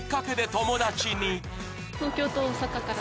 東京と大阪から。